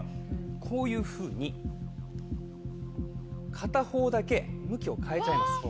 こういうふうに片方だけ向きを変えちゃいます。